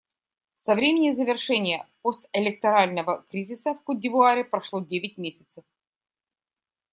Со времени завершения постэлекторального кризиса в Котд'Ивуаре прошло девять месяцев.